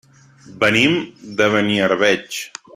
Venim de Beniarbeig.